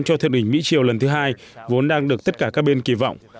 cho thượng đỉnh mỹ triều lần thứ hai vốn đang được tất cả các bên kỳ vọng